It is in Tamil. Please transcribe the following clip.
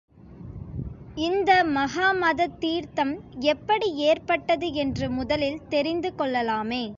இந்த மகாமகத் தீர்த்தம் எப்படி ஏற்பட்டது என்று முதலில் தெரிந்துகொள்ளலாமே.